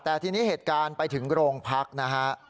แต่ทีนี้เหตุการณ์ไปถึงโรงพักนะฮะ